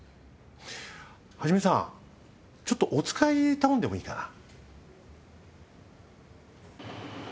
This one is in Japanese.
一さんちょっとお使い頼んでもいいかな？